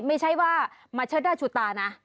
ไม่ใช่ว่ามาเชิดหน้าชูตานะ